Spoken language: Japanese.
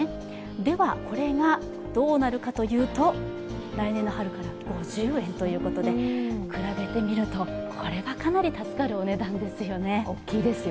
では、これがどうなるかというと来年の春から５０円ということで、比べてみるとこれがかなり助かるお値段ですよね。